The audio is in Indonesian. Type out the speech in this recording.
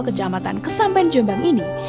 kejamatan kesampen jombang ini